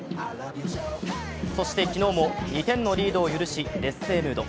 そして昨日も２点のリードを許し劣勢ムード。